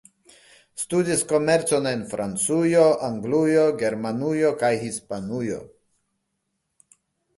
Studis komercon en Francujo, Anglujo, Germanujo kaj Hispanujo.